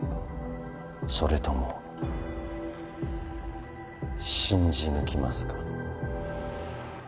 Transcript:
それとも信じ抜きますか？